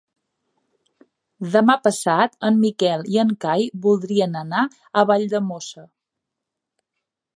Demà passat en Miquel i en Cai voldrien anar a Valldemossa.